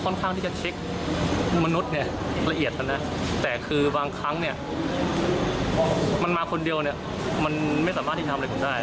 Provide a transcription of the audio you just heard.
มันมาคนเดียวเนี่ยมันไม่สามารถที่ทำอะไรกันได้